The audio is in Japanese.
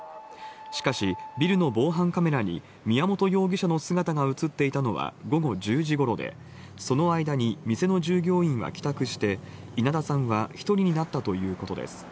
しかし、ビルの防犯カメラに宮本容疑者の姿が映っていたのは午後１０時ごろでその間に店の従業員は帰宅して稲田さんは１人になったということです。